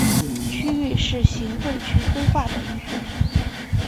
区域是行政区划的一种。